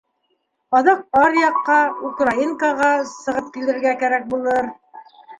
Аҙаҡ аръяҡҡа, Украинкаға, сығып килергә кәрәк булыр.